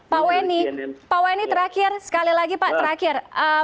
pak wengi pak wengi terakhir sekali lagi pak terakhir